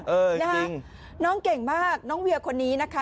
เออเออจริงน้องเก่งมากน้องเวียร์คนนี้นะคะ